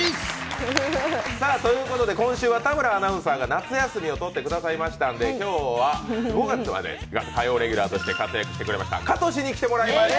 今週は田村アナウンサーが夏休みを取ってくださいましたので、今日は５月まで火曜レギュラーしてと活躍してくれましたかとしに来てもらいました。